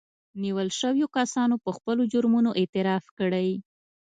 نيول شويو کسانو په خپلو جرمونو اعتراف کړی